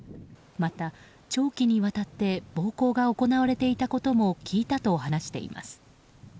また、長期にわたって暴行が行われていたことも聞いたと話しています。